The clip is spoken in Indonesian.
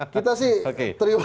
kita sih terima